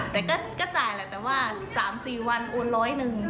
แต่ก็จ่ายแหละแต่ว่า๓๔วันโอนร้อยหนึ่ง